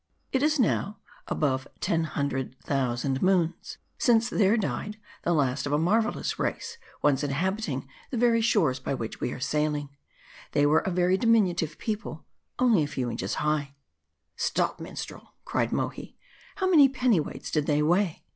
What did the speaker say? " It is, now above ten hundred thousand moons, since there died the last of a marvelous race, once inhabiting the very shores by which we are sailing, They were a very diminu tive people, only a few inches high "" Stop, minstrel," cried Mohi ;" how many pennyweights did they weigh